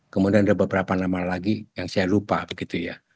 kemudian ada beberapa nama lagi yang saya lupa begitu ya